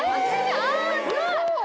あすごい！